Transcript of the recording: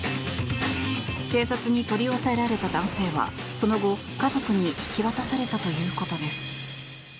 警察に取り押さえられた男性はその後、家族に引き渡されたということです。